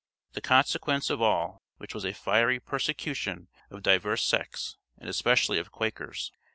The consequence of all which was a fiery persecution of divers sects, and especially of Quakers.